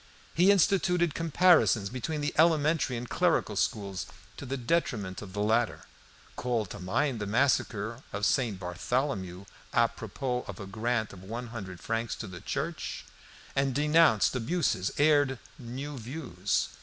He instituted comparisons between the elementary and clerical schools to the detriment of the latter; called to mind the massacre of St. Bartholomew a propos of a grant of one hundred francs to the church, and denounced abuses, aired new views.